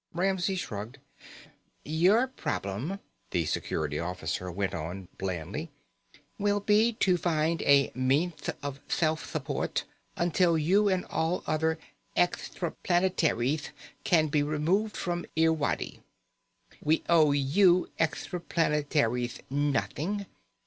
Ramsey shrugged. "Your problem," the Security Officer went on blandly, "will be to find a meanth of thelf thupport until you and all other ecthra planetarieth can be removed from Irwadi. We owe you ecthra planetarieth nothing.